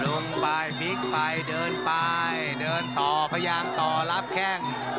ลงไปบิ๊กไปเดินไปเดินต่อพยายามต่อรับแข้ง